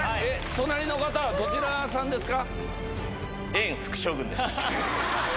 隣の方はどちらさんですか？